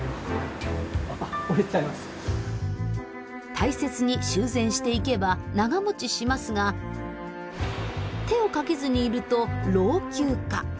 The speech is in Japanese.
大切に修繕していけば長もちしますが手をかけずにいると老朽化。